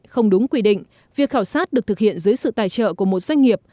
không đúng quy định việc khảo sát được thực hiện dưới sự tài trợ của một doanh nghiệp